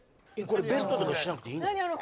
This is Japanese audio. これベルトとかしなくていいの？